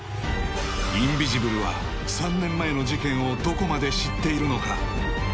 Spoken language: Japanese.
インビジブルは３年前の事件をどこまで知っているのか？